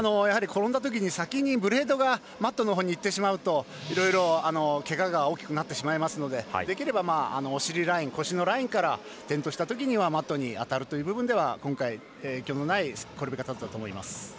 転んだときに先にブレードがマットのほうにいってしまうといろいろ、けがが大きくなってしまいますのでできれば、お尻腰のラインから転倒したときにはマットに当たるという部分では影響のない転び方だったと思います。